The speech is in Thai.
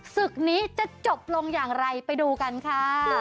ศึกนี้จะจบลงอย่างไรไปดูกันค่ะ